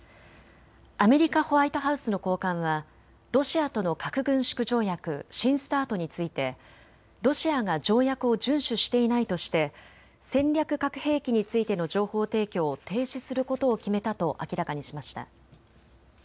アメリカ・ホワイトハウスの高官はロシアとの核軍縮条約新ＳＴＡＲＴについてロシアが条約を順守していないとして戦略核兵器についての情報提供を停止することを決めたと明らかにしました。